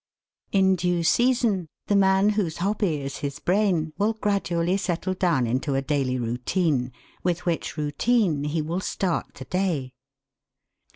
In due season the man whose hobby is his brain will gradually settle down into a daily routine, with which routine he will start the day.